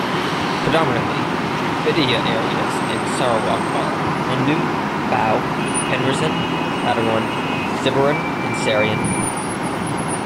Predominantly Bidayuh areas in Sarawak are: Lundu, Bau, Penrissen, Padawan, Siburan and Serian.